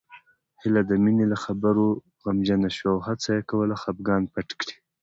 هيله د مينې له خبرو غمجنه شوه او هڅه يې کوله خپګان پټ کړي